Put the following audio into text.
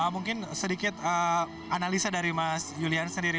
mungkin sedikit analisa dari mas julian sendiri